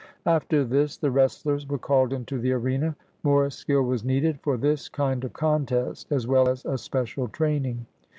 After this the wrestlers were called into the arena. More skill was needed for this kind of contest, as well as a special training.